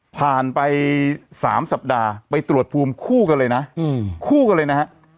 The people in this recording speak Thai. ผ่านไป๓สัปดาห์ไปตรวจภูมิคู่กันเลยนะคู่กันเลยนะฮะ